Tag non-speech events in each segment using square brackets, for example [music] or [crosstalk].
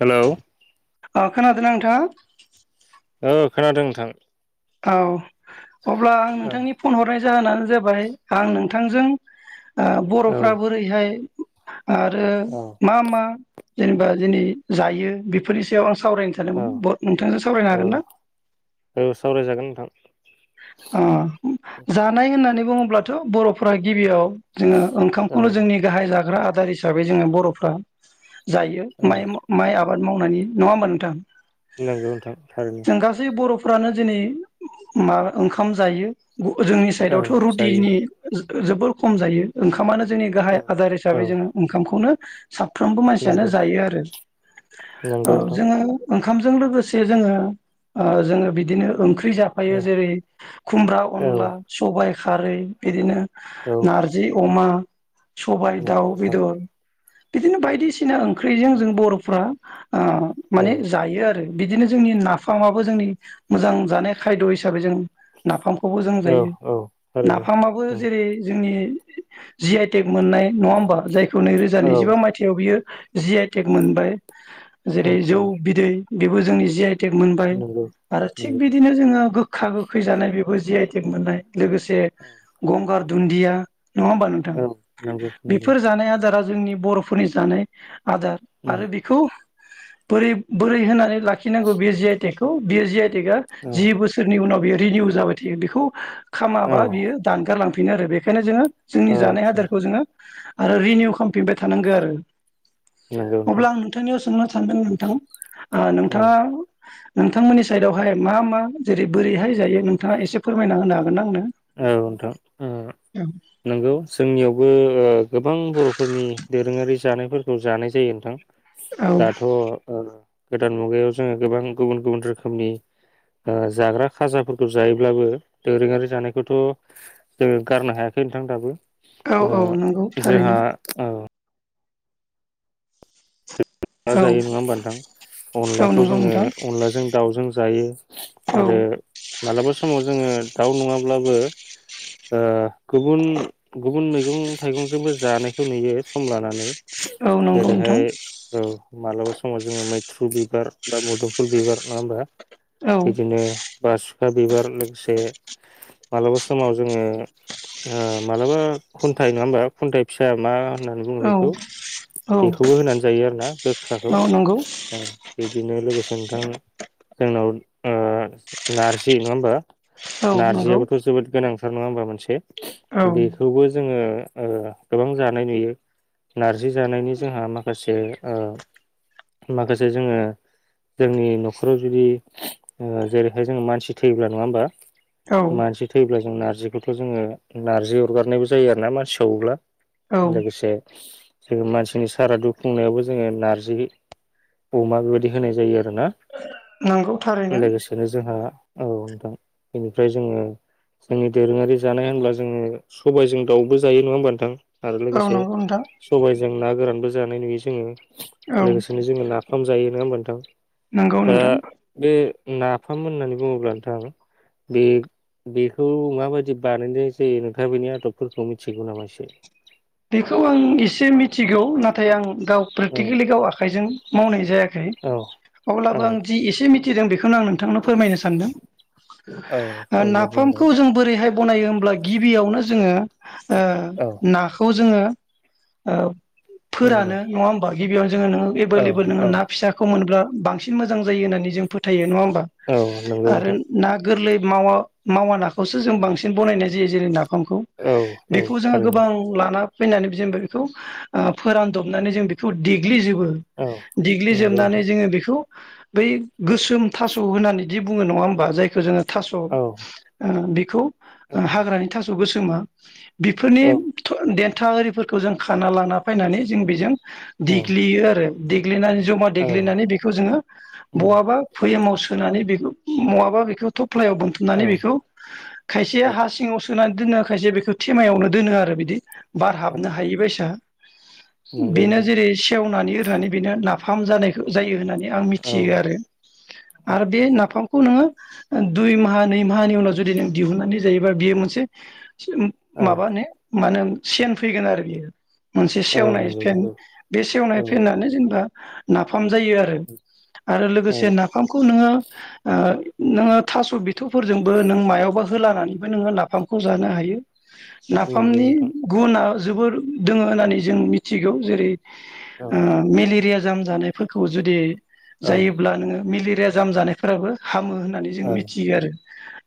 Hello खोनादों ना नोंथाङा? औ खोनादों नोंथां। औ। अब्ला आं औ नोंथांनि फन हरनाय जाहोनानो जाबाय आं नोंथांजों आ औ बर'फ्रा बोरैहाय आरो औ मा मा जेनेबा दिनै जायो बेफोरनि सायाव आं सावरायनो औ सानदोंमोन नोंथांजों सावरायनो हागोनना? थां अ जानाय होननानै बुङोब्लाथ' बर'फोरा गिबियाव जोङो औ ओंखामखौनो जोंनि गाहाय जाग्रा आ‌ दार हिसाबै जोङो बर'फोरा जायो औ माइ-माइ आबाद आबाद मावनायनि नङामोन नोंथां? नंगौ नोंथां थारैनो। फ्रानो दिनै मा ओंखाम जायो। जोंनि औ साइडआवथ' जायो रुटिनि जोबोर खम जायो ओंखाम ओंखामानो जोंनि औ गाहाय आदार औ हिसाबै जोङो ओंखामखौनो साफ्रोमबो मानसियानो नंगौ जायो आरो औ नंगौ नोंथां जोङो ओंखामजों लोगोसे जोङो जोङो बिदिनो ओंख्रि जा फायो औ जेरै खुमब्रा, अनला, सबाइ खारै बिदिनो औ नारजि अमा [inaudible] सबाइ दाउ नंगौ नोंथां बेदर बिदिनो औ बायदिसिना ओं ओंख्रिजों जों बर'फ्रा ओ औ माने जायो आरो। बिदिनो जोंनि नाफामाबो जोंनि मोजां जानाय खायद' हिसाबै जों नाफाम खौबो जों औ जायो औ थारैनो नाफामाबो जेरै जोंनि जि आइे टेक मोननाय नङा होनबा जाय खौ नैरोजा औ नैजिबा मायथाइयाव बियो जि आइ टेक मोनबाय। औ जेरै जौ औ बिदै बेबो जोंनि जि आइ मोनबाय नंगौ आरो थिग नंगौ बिद जोङो गोखा गोखै जानाय बेखौ जि आइ टेग मोननाय। लोगोसे गंगार दुन्दिया नङा होमबा नोंथां औ नंगौ नंगौ बेफोर जानाय आदारा जोंनि बर'फोरनि जानाय आदार औ आरो बेखौ बोरै बोरै होनानै लाखिनांगौ बेयो जि आइ टेग बे जि आइ टेगआ औ जि बोसोरनि उनाव बियो रिनिउ जाबाय थायो बेखौ औ खामाबा बियो दानगार लां बे आरो बेखायनो जोङो जोंनि जानाय आदसा हादारखौ जोङो आरो रिनिउ खालामफिनबाय थानांगौ आरो। नंगौ नोंथां अब्ला आं नोंथांनियाव सोंनो सानदों नोंथां। औ नोंथाङा नोंथांमोननि साइडआवहाय मा मा जेरै बोरैहाय जायो नोंथाङा एसे फोरमायना होनो हागोन ना आंनो? औ नोंथां नंगौ जोंनियावबो ओ गोबां बर'फोरनि दोरोङारि जानायफोरखौ जानाय जायो नोंथां। औ दाथ' ओ गोदान मुगायाव जोङो गोबां गुबुन गुबुन रोखोमनि जाग्रा खाजाफोरखौ जायोब्लाबो दोरोङारि जानाय खौथ' जोङो गारनो हायाखै नोंथां दाबो। औ ओ औ नंगौ जोंहा थारैनो। ओ अनला औ जायो नङा होमबा नोंथां औ अनलाखौ नंगौ जोङो नोंथां अनलाजों दाउजों जायो। औ आरो मालाबा समाव जोङो दाउ नङाब्लाबो ओ गुबुन गुबुन मैगं थाइगंजोंबो जानायखौ नुयो सम लानानै औ नंगौ नोंथां जेरैहाय औ मालाबा समाव जोङो मैथ्रु बिबार बा मोदोमफुल बिबार नङा होमबा? औ बिदिनो बासु बिबार लोगोसे मालाबा समाव जोङो मालाबा खुन्थाइ नङा होमबा खुन्थाइ फिसा मा होननानै बुङो औ बेखौ औ बेखौबो होनानै जायो आरो। दा गोखाखौ औ नंगौ बिदिनो लोगोसे नोंथां जोंनाव ओ नारजि नङा होनबा औ नंगौ नारजिआबोथ' जोबोद गोनांथार नङा होनबा औ [unintelligible] बेखौबो जोङो ओ गोबां जानाय नुयो। नारजि जानायनि जोंहा माखासे ओ माखासे जोङो जोंनि नखराव जुदि जेरैहाय जोङो मानसि थैयोब्ला नङा होनबा? औ मानसि थैब्ला जों नारजि [unintelligible] जोंङो नारजि अरगारनायबो जायो आरोना मानसि सावोब्ला औ लोगोसे जोंङो मानसिनि सारादु खुंनायावबो जोंङो नारजि, अमा बेबायदि होनाय जायो आरो आरोना नंगौ थारैनो लोगोसेनो जोंहा औ नोंथां बेनिफ्राय जोङो जोंनि दोरोंङारि जानाय होनब्ला जोङो सबायाइजों दाउबो जायो नङा होनबा नोंथां? आरो औ लोगोसे नंगौ नोंथां सबायजों ना गोरानबो जानाय नुयो जोङो। औ लोगोसेनो जोङो नाफाम जायो नोङा होनबा नोंथां‌। नंगौ दा नोंथां बे ना नाफाम होननानै बुंङोब्ला नोंथां बे बेखौ माबायदि बानायनाय जायो नोंथाङा बेनि आदबफोरखौ मिथिगौ नामा एसे? बेखौ आं एसे मिथिगौ नाथाय आं गाव औ प्रेक्टिकेलि गाव आखाइजों मावनाय औ [unintelligible] औ अब्लाबो आं जि एसे [unintelligible] बेखौनो आं नों फोरमायनो सानदों। औ अब्ला बुंबाय नाफामखौ जों बोरैहाय बनायो होमब्ला गिबियावनो जों जोङो ओ औ ना जोङो औ। नंगौ फोरानो नङा होनबा? गिबियावनो जोङो नोङो औ बे [unintelligible] औ ना फिसाखौ मोनब्ला बांसिन मोजां जायो होननानै जों फोथायो नङा औ नंगौ [unintelligible] आरो नोंथां ना गोरलै मावा -मावानाखौसो जों बांसिन बनायनाय जायो जेरै- ना औ [unintelligible] औ बेखौ जोङो थारैनो गोबां आना फैनानै जों बेखौ ओ फोरानदबनानै जों बेखौ दि देग्लिजोबो औ नंगौ देग्लिजोबनानै नोंथां जोङो बेखौ बै गोसोम थास' होननानै दि बुङो नङा होमबा जायखौ जोङो थास' ओ औ बि- औ [unintelligible] हाग्रानि थास' स' गोसोमा बेफोरनि औ देन्था आरिफोरखौ जों खाना लाना फैनानै जों बेजों औ देग्लियो आरो दि दिग्लिनानै जमा औ देग्लिनानै बेखौ जोङो उम बहाबा फ'येमाव सुनानै बेखौ नङाबा बेखौ थब फ्लायाव औ बोनथुमनानै बेखौ खायसे औ हा सिङाव सुनानै दोनोखायसो बेखौ थेमायावनो दोनो आरो बिदि। बार औ हाबनो हायिबायसा नंगौ बेनो नोंथां जेरै सेवनानै एरनानै बेनो ना फाम जानायखौ जायो होननानै आं औ मिथियो आरो औ आरो बे नाफाम- खौ नोङो दुइ माहा नै माहानि उनाव जुदि नों दिहुननानै जायोबा बियो मोनसे सो औ माबा नो मानो सेन फैगोन आरो बियो मोनसे औ सेवनाय नंगौ फेन नंगौ बे सेवनाय औ फेेनआनो जेनेबा नाफाम नाफाम जायो आरो आरो औ लोगोसे नाफामखौ नोङो ओ नोङो थास' बिथ'फोरजोंबो नों मायावबा होलानानैबो नोङो नाफामखौ जानो हायो नंगौ नाफामनि नोंथां गुना जोबोर दोङो होननानै जों मिथिगौ जेरै औ आ मेलेरिया जाम जानायफोरखौ जुदि औ जायोब्ला नोङो मिलिर जाया जाम जानायफोराबो हामो होननानै जों औ मिथियो आरो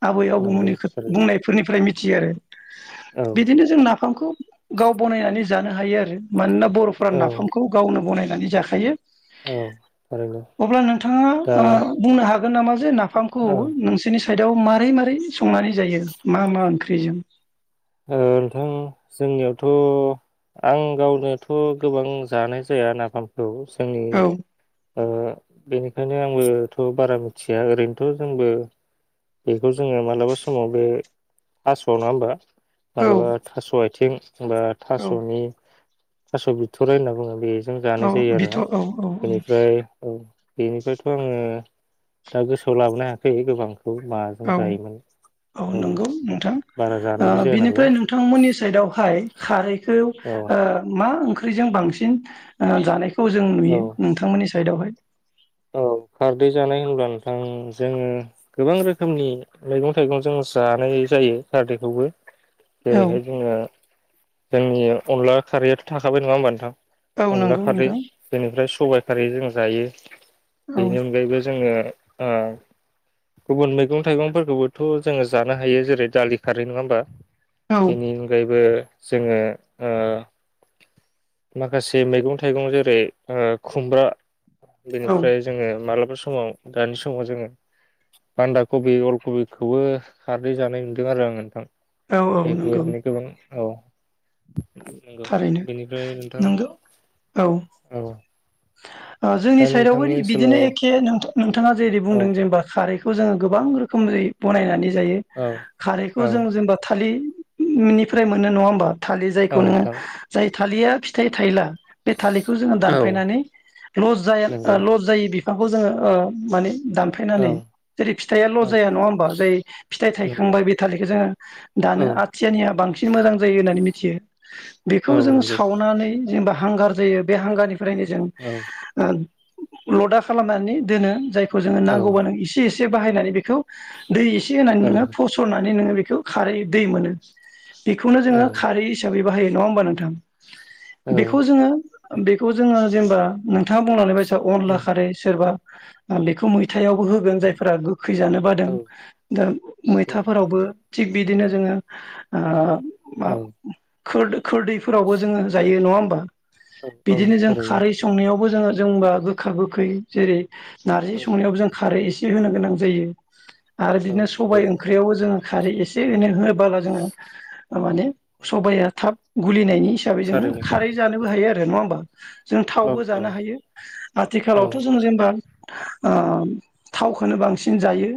आबै नंगौ आबौमोननि थारैनो बुंनायफोरनिफ्राय थि आरो औ बिदिनो जोंना खौ गाव बनायना नै जानो हायो आरो। मानोना बर'फोरा औ नाफामखौ गावनो बनाय नानै जाखायो। औ थारैनो अब्ला नोंथाङा दा ओ बुंनो हागोन नामा जे नाफामखौ औ नोंसोरनि सायदाव मारै मारै संनानै जायो मा मा ओंख्रिजों ओ नोंथां जोंनियावथ' आं गावनोथ' गोबां जानाय जाया नाफामखौ जोंनि औ ओ बेनिखायनो आंबोथ' बारा मिथिया ओरैनोथ' जोंबो बेखौ जोङो मालाबा समावबो थास' नङा होमबा। औ मालाबा थास' आयथ थिं बा औ थास'नि थास' बिथराय होनना बुङो बे जों जानाय औ जायो बिथ' आरोना। औ औ बेनिफ्राय औ बेनिफ्रायथ' आङो दा गोसोआव लाबोन हायाखै गोबां खौ माजों औ जायोमोन औ नंगौ नोंथां बारा ओ जानायबो जाया नालाय बिनिफ्राय नोंथांमोननि सायदावहाय खारैखौ औ ओ मा ओं खै जों बांसिन ओ जानाय खौ जों नुयो। औ नोंथांमोननि सायदावहाय औ खारदै जानाय होनब्ला नोंथां जोङो गोबां रोखोमनि मैगं थाइगं जों जानाय जायो खारदैखौबो। औ जेरैहाय जोङो जोंनि अनला खारैयाथ' थाखाबाय नङा होमबा नोंथां। औ अनला नंगौ खारै नोंथां बेनिफ्राय सु सबाय खारै जों जायो। औ बेनि अनगायैबो जोङो ओ गुबुन मैगं थाइगंफोरखौबोथ' जोङो जानो हायो। जेरै दालि खारै नङा होमबा? औ बेनि अनगायैबो जोङो ओ माखासे मैगं थाइगं जेरै ओ खुमब्रा औ फ्राय जोंङो मालाब फोर समाव दानि समाव जोंङो बान्दा कबि, अल कबिखौबो खारदै जानाय नुदों आरो आंङो नोंथां। औ औ नंगौ बेफोरबायदिनो गोबां औ। नंगौ थारैनो बेनिफ्राय नोंथां नंगौ औ [inaudible] औ। [inaudible] ओ जोंनि दा साइडआवबो नोंथांनि बिदिनो ओनसोलाव एखे नों नोंथांङा जेरै औ बुंदों जेनेबा खारैख खौ जोंङो गोबां रोखोमै बनायनानै जायो औ खारैखौ औ जों जेनेबा थालि निफ्राय मोनो नङा होमबा। थालिर औ जायखौ नोंङो नोंथां जाय थालिया फिथाइ थायला बे थालिरखौ जोंङो औ दानफायनानै लस जाया ओ नंगौ लस जायो। खौ जोंङो ओ माने औ दानफायनानै जेरै फिथाइया लस औ जाया नङा होमबा? जाय फिथाइ नंगौ थायखांबाया बे थालिरखौ जोंङो दानो औ आथियानिया बांसिन बांसिन मोजां जायो होननानै मिथियो। बेखौ औ जों नंगौ सावनानै जेनेबा हांगार जायो बे हांगारनि फ्रायनो जों औ लदा खालामनानै दोनो जायख खौ जोंङो औ नांगौबानो एसे एसे से बाहायनानै बेखौ दै एसे होनानै नोंङो थारैनो फसरनानै नोंङो बेख बेखौ खारै दै मोनो। बेखौनो औ जोंङो खारै हिसाबै बाहायो। नंङा होमबा नोंथां? औ बेखौ जोंङो बेखौ जोंङो जेनेबा नोंथाङा बुंलांनाय बायदि सोरबा अनला नंगौ खारै सोरबा आं बेखौ मैथ मैथायावबो होगोन जायफोरा गोखै जानो बादों औ दा मैथाफोरावबो थिग बिदिनो जोंङो ओ औ। खुद खोदैफोरावबो जोङो जायो नङा होमबा। औ बिदिनो जों थारैनो खारै संनायावबो जोङो जोंबा गोखा गोखै जेरै नारजि औ संनायावबो जों खारै एसे जि होनो गोनां जायो। आरो औ बिदिनो नंगौ सबाइ औ ओंख्रियावबो जोंङो खारै एसे एनै होबोला जोङो माने सबाइया थाब गुलिनायनि हिसाबै जोङो थारैनो खारै जानोबो हायो। नंङा होमबा? जों औ थावबो जानो हायो औ आथिखालावथ' जों जेनेबा ओ थावखोनो बांसिन जायो।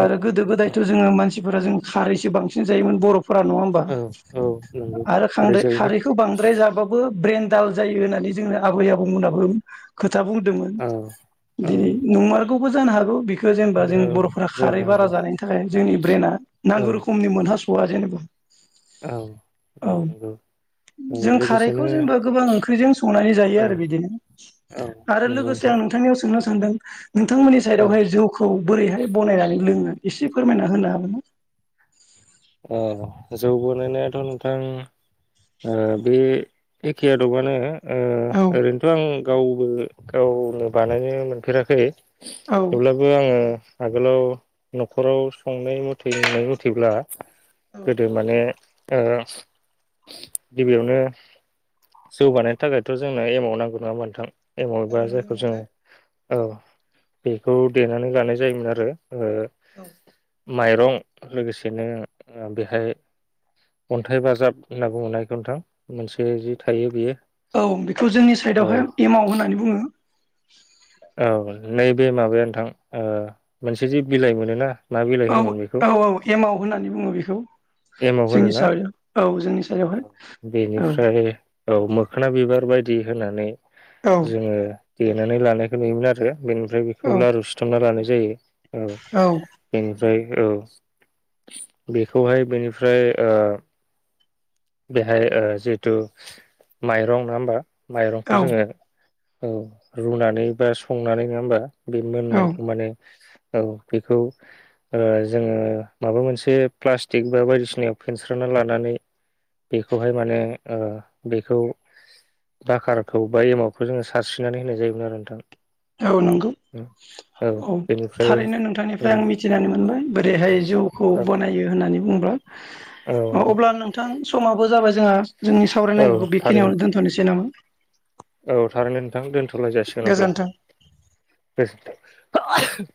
आरो गोदो नोंथां गोदायथ' जोङो मानसि फोर जों खारैसो बांसिन जायोमोन बर'-फो फोरा नङा होमबा। औ औ नंगौ आरो खारै खांद्राय जायोमोन खारैखौ बांद्राय जाबाबो ब्रेन दाल जायो होननानै जोंनो आबै आबौमोनाबो खो खोथा बुंदोंमोन औ औ दिनै नंमार गौबो जानो हागौ बेखौ बेखौ जेनेबा औ जों बर'फोरा खारै जानो बारा हागौ जानायनि थाखाय जोंनि ब्रेना औ नांगौ रोखोमनि मोनहास' खवा जेनेबा। औ औ नंगौ औ जों खारैखौ लोगोसेनो जेनेबा गोबां ओंख्रिजों संनानै जायो औ आरो बिदिनो औ आरो नंगौ लोगोसे नोंथां आं नोंथांनियाव सोंनो सानदों। नोंथांमोननि औ साइडआवहाय जौखौ बोरैहाय बनायनानै लोङो एसे फोरमायना होनो हागोन ना। औ जौ बानायनायाथ' नोंथां ओ बे एखे आदबानो ओ औ ओरैनोथ' आं गावबो गावनो बानायनो मोनफेराखै। औ थेवब्लाबो आङो आगोलाव न'खराव संनाय मथैनाय मथेब्ला औ गोदो माने ओ गिबियावनो जौगानायनि थाखायथ' जोंनो एमाव नांगौ नङा मोनथां औ एमावबा नंगौ जायखौ जोङो नोंथां औ बेखौ देनानै लानाय जायोमोन आरो ओ औ माइरं लोगोसेनो ओ बेहाय अन्थाइ बाजाब होनना बुंङो ना बेखौ नोंथां नोंसिनिजा थायो बियो औ बेखौ जोंनि साइदआवहाय एमाव होननानै बुङो । [unintelligible] औ नैबे माबाया नोंथां ओ मोनसे जि बिलाइ मोनो ना। औ औ औ एमाव होननानै बुङो बेखौ एमाव होनो जोंनि ना सायाव औ जोंनि सायावहाय औ बेनिफ्राय औ मोखोना बि बारबायदि होनानै औ जोङो देनानै लानायखौ नुयोमोन आरो बेनिफ्राय औ बेखौ लारु सिथुमना लानाय जायो औ बे ओमफ्राय औ बेखौहाय बेनिफ्राय ओ बेहाय ओ जिहेतु माइरं नङा होमबा माइरंखौ औ जोङो औ रुनानै बा संनानै नङा होमबा बे औ मोननायखौ माने औ बेखौ ओ जोङो माबा मोनसे प्लास्टिक बा बायदिसिनायाव फेनस्रना लानानै बेखौहाय माने ओ बेखौ बाखारखौ बा एमावटखौ जोङो सारस्रिनानै होनाय जायोमोन आरो नोंथां औ नंगौ औ थारैनो औ नोंथांनिफ्राय आं मिथिनानै मोनबाय । बोरैहाय जौखौ औ बनायो होननानै ओमबा अब्ला नोंथां समाबो जाबाय जोंङा जोंनि औ सावरायनांगौखौ थारैनो बेखिनियावनो दोनथ'नोसै नामा? औ थारैनो नोंथां दोनथ' सलाय जासिगोन अब्ला गोजोन्थों गोसो थों